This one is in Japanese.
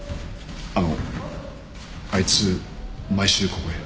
あのあいつ毎週ここへ？